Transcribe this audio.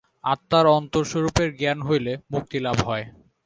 আত্মার অন্তরস্বরূপের জ্ঞান হইলে মুক্তিলাভ হয়।